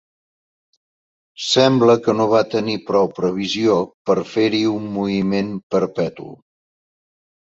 Sembla que no va tenir prou previsió per fer-hi un moviment perpetu.